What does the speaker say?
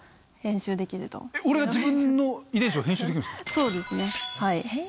そうですねはい。